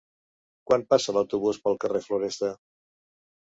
Quan passa l'autobús pel carrer Floresta?